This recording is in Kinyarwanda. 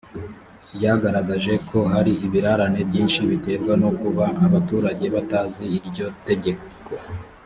ryagaragaje ko hari ibirarane byinshi biterwa no kuba abaturage batazi iryo tegeko